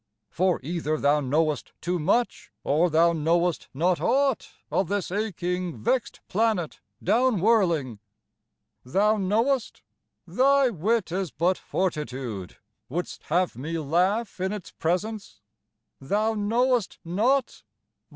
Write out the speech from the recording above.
For either thou knowest Too much, or thou knowest not aught of this aching vexed planet down whirling: Thou knowest? Thy wit is but fortitude; would'st have me laugh in its presence? Thou knowest not?